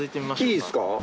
いいですか？